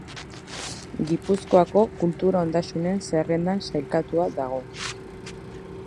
Gipuzkoako kultura ondasunen zerrendan sailkatua dago.